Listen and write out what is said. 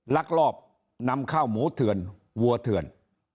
ลักลอบนำข้าวหมูเถื่อนวัวเถื่อน